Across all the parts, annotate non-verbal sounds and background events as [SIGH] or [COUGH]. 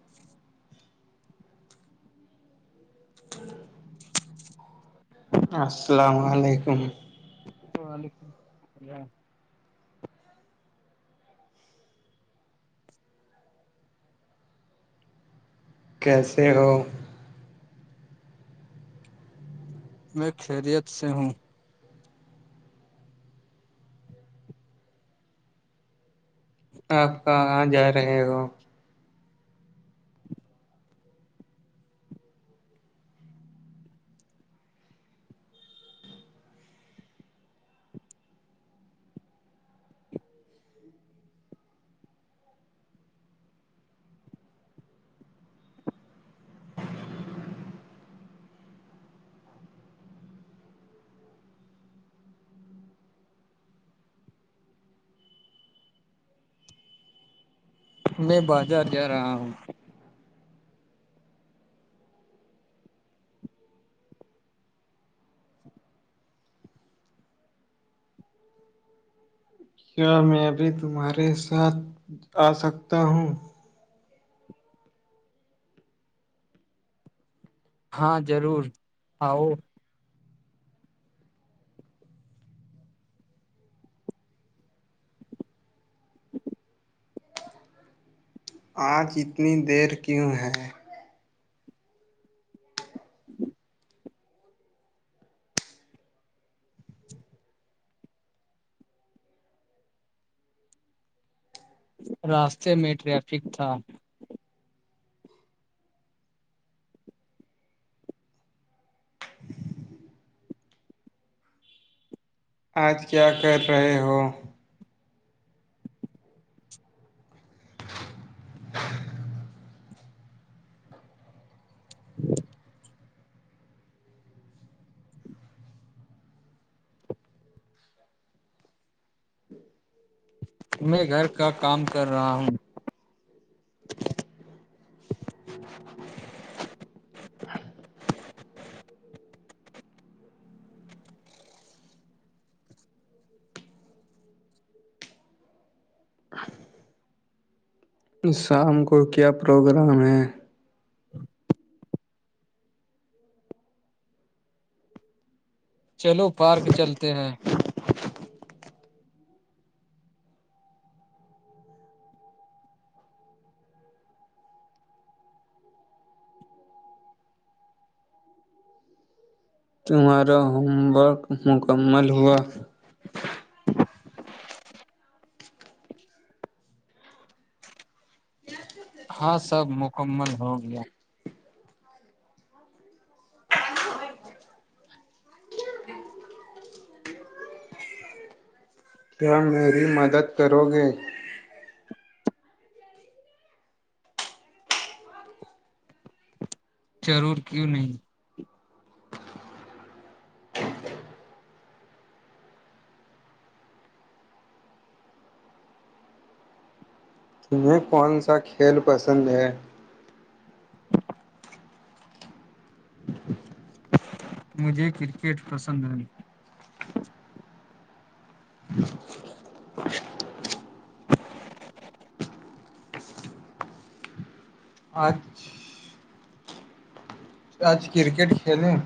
[UNINTELLIGIBLE] ہ [UNINTELLIGIBLE] السلام علیکم علیکم ال [UNINTELLIGIBLE] کیسے ہو میں خیریت سے ہوں آپ کہاں جا رہے ہو میں بازار جا رہا ہوں کیا میں بھی تمہارے ساتھ آ سکتا ہوں ہاں ضرور آؤ آج اتنی دیر کیوں ہے جی [INAUDIBLE] راستے میں ٹریفک تھا آج کیا کر رہے ہو [UNINTELLIGIBLE] [UNINTELLIGIBLE] میں گھر کا کام کر رہا ہوں [UNINTELLIGIBLE] شام کو کیا پروگرام ہے چلو پارک چلتے ہیں تمہارا ہوم ورک مکمل ہوا [UNINTELLIGIBLE] ہاں سب مکمل ہو گیا [UNINTELLIGIBLE] کیا میری مدد کرو گے ضرور کیوں نہیں تمہیں کون سا کھیل پسند ہے مجھے کرکٹ پسند ہے ج [UNINTELLIGIBLE] اچھ [UNINTELLIGIBLE] آج کررکٹ کھیلیں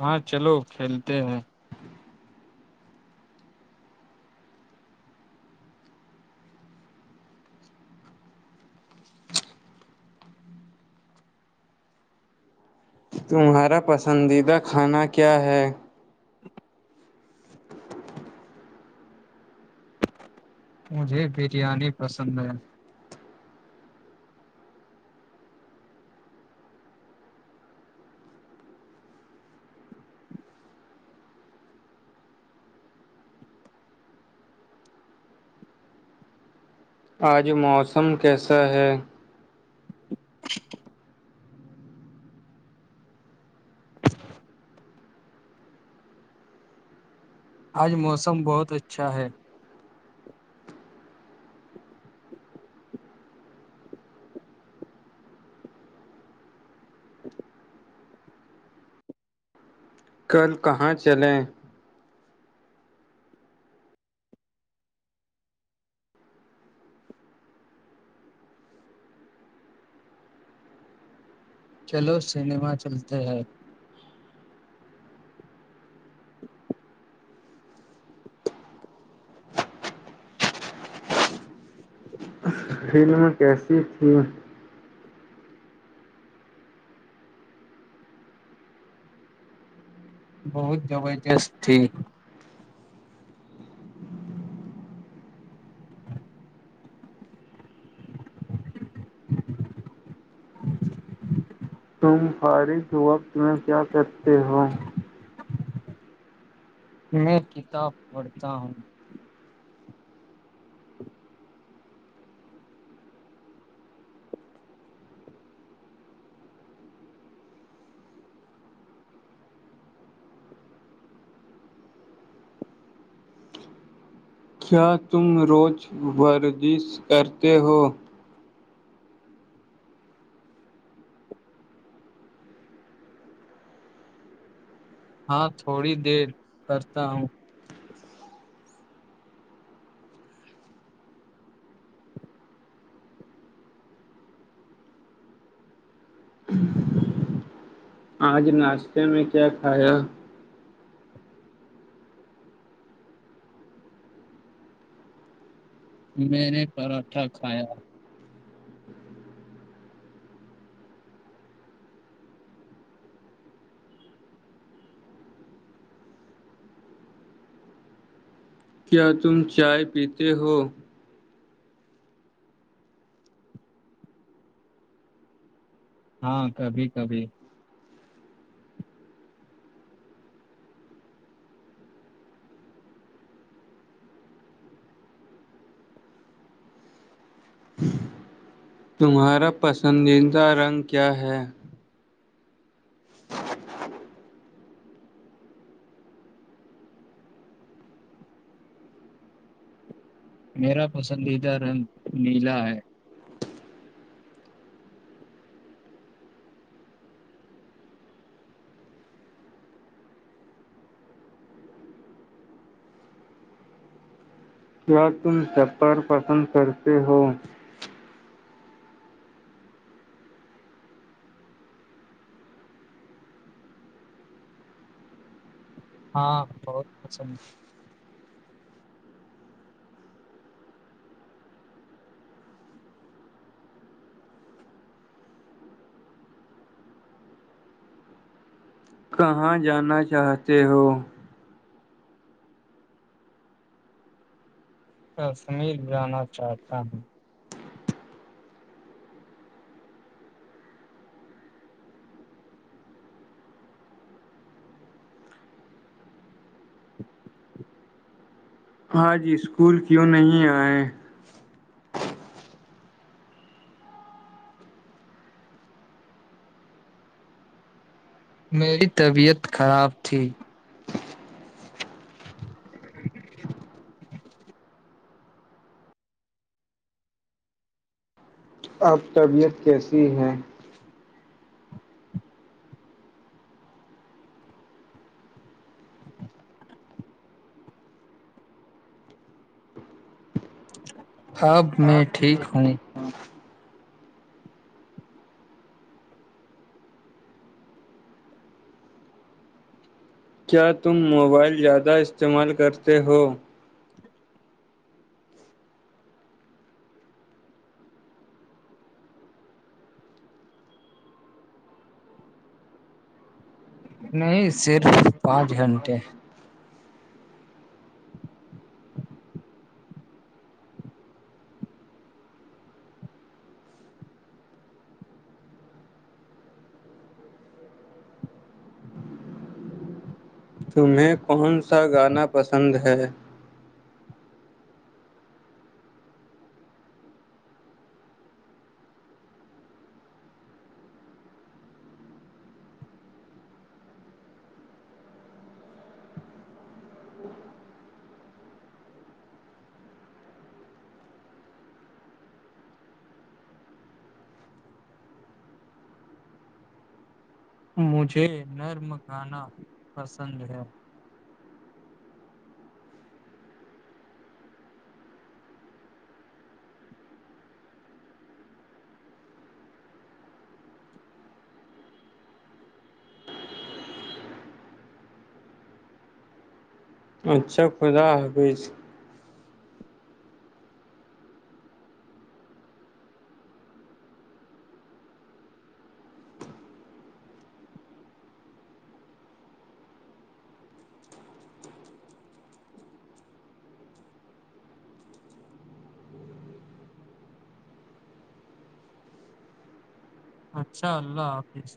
ہاں چلو کھیلتے ہیں تمہارا پسندیدہ کھانا کیا ہے مجھے بریانی پسند ہے آج موسم کیسا ہے آج موسم بہت اچھا ہے [UNINTELLIGIBLE] کل کہاں چلیں چلو سنیما چلتے ہیں فلم کیسی تھیں بہت زبردست تھی [UNINTELLIGIBLE] [UNINTELLIGIBLE] تم فارغ وقت میں کیا کرکتے ہو میں کتاب پڑھتا ہوں کیا تم روچ ورزش کرتے ہو ہاں تھوڑی دیر کرتا ہوں آج ناشتے میں کیا کھایا میں نے پراٹھا کھایا کیا تم چائے پیتے ہو ہاں کبھی کبھی تمہارا پسندیدہ رنگ کیا ہے [UNINTELLIGIBLE] میرا پسندیدہ رنگ نیلا ہے کیا تم سفر پسند کرتے ہو ہاں بہت پسند ہے کہاں جانا چاہتے ہو کشمیر جانا چاہتا ہوں آج اسکول کیوں نہیں آئے میری طبیعت خراب تھی [UNINTELLIGIBLE] اب طبیعت کیسی ہے اب میں ٹھیک ہوں کیا تم موبائل زیادہ استعمال کرتے ہو نہیں صرف پانچ گھنٹے تمہیں کون سا گانا پسند ہے مجھے نرم گانا پسند ہے اچھا خدا حافظ اچھا اللہ حافظ